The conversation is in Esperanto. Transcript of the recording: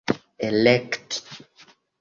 elekti